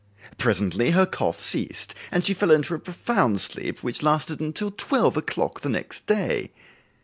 Presently her cough ceased and she fell into a profound sleep, which lasted until twelve o'clock the next day.